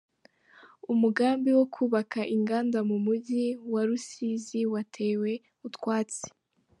Umugambi wo kubaka inganda mu mujyi wa rusizi watewe utwatsi